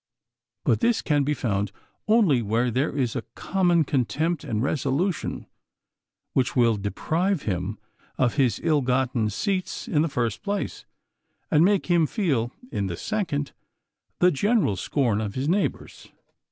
But this can be found only where there is a common contempt and resolution which will deprive him of his ill gotten seats in the first place, and make him feel, in the second, the general scorn of his neighbors.